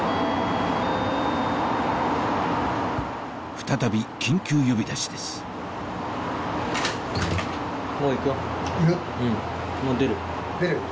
再び緊急呼び出しです行く？